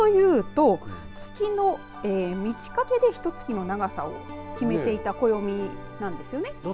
旧暦というと月の満ち欠けでひと月の長さを決めていた暦なんですよね。